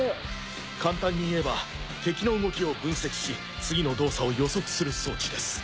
簡単に言えば敵の動きを分析し次の動作を予測する装置です。